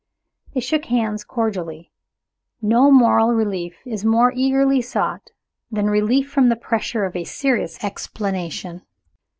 They shook hands cordially. No moral relief is more eagerly sought than relief from the pressure of a serious explanation.